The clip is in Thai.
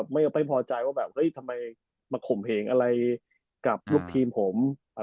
ไม่เอาไปพอใจว่าทำไมมาข่มเพลงอะไรกับลูกทีมผม